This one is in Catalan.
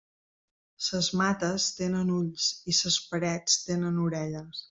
Ses mates tenen ulls i ses parets tenen orelles.